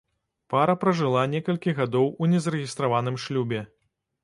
Пара пражыла некалькі гадоў у незарэгістраваным шлюбе.